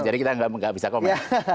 jadi kita nggak bisa komen